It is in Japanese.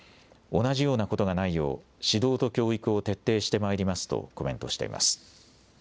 同じようなことがないよう指導と教育を徹底してまいりますとコメントしています。